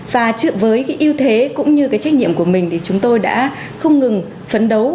và chịu với cái ưu thế cũng như cái trách nhiệm của mình thì chúng tôi đã không ngừng phấn đấu